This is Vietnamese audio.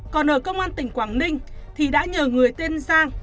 còn ở công an tỉnh quảng ninh thì đã nhờ người tên sang